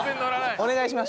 お願いします。